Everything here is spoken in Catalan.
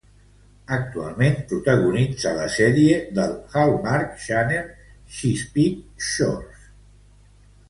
Actualment protagonitza la sèrie del Hallmark Channel "Chesapeake Shores".